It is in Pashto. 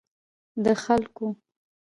د خلګو